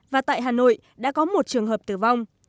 và tại hà nội đã có một trường hợp tử vong